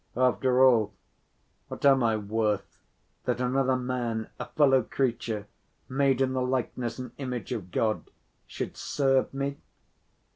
"After all what am I worth, that another man, a fellow creature, made in the likeness and image of God, should serve me?"